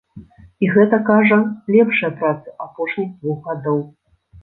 І гэта, кажа, лепшыя працы апошніх двух гадоў.